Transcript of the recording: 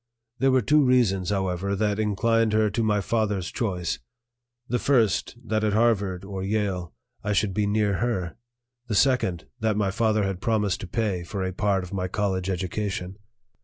There were two reasons, however, that inclined her to my father's choice; the first, that at Harvard or Yale I should be near her; the second, that my father had promised to pay for a part of my college education.